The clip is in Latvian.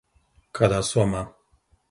Kādā somā?